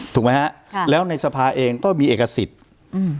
ถูกไหมฮะค่ะแล้วในสภาเองก็มีเอกสิทธิ์อืม